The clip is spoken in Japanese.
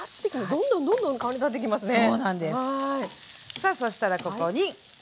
さあそしたらここにはい。